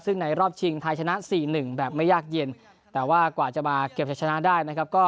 ที่ไหนรอบชิงไทยชนะ๔หนึ่งแบบไม่ยากเย็นแต่ว่ากว่าจะมาเก็บชนะได้